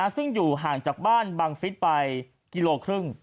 ซึ่งอยู่ห่างจากบ้านบังฟิศไปกิโลครึ่ง